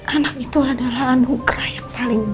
anak itu adalah anugerah yang paling